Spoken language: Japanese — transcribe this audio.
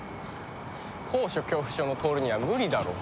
高所恐怖症の透には無理だろ。